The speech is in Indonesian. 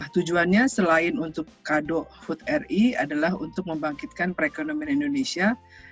tujuannya selain untuk kado hut ri adalah untuk membangkitkan perekonomian indonesia